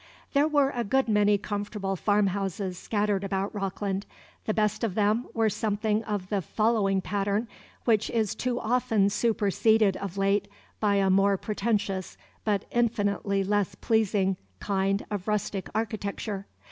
There were a good many comfortable farm houses scattered about Rockland. The best of them were something of the following pattern, which is too often superseded of late by a more pretentious, but infinitely less pleasing kind of rustic architecture.